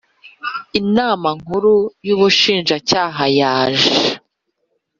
Inama Nkuru y Ubushinjacyaha yaje